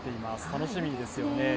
楽しみですよね。